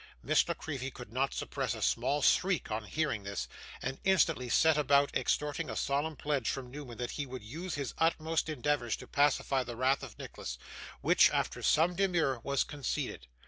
Miss La Creevy could not suppress a small shriek on hearing this, and instantly set about extorting a solemn pledge from Newman that he would use his utmost endeavours to pacify the wrath of Nicholas; which, after some demur, was conceded.